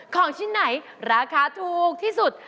ของชิ้นไหนราคาถูกที่สุด